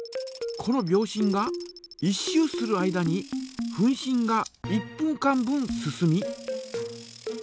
この秒針が１周する間に分針が１分間分進み。